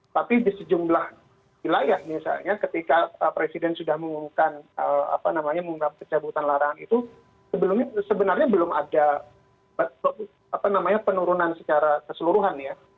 tapi di sejumlah wilayah misalnya ketika presiden sudah mengumumkan apa namanya mengungkap pencabutan larangan itu sebenarnya belum ada penurunan secara keseluruhan ya